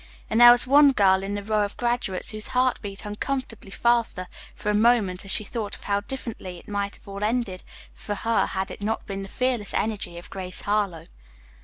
And there was one girl in the row of graduates whose heart beat uncomfortably faster for a moment as she thought of how differently it might have all ended for her had it not been for the fearless energy of Grace Harlowe.